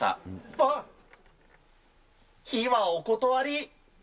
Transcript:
わっ、火はお断り。